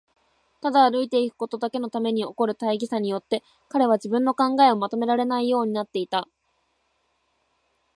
ただ歩いていくことだけのために起こる大儀さによって、彼は自分の考えをまとめられないようになっていた。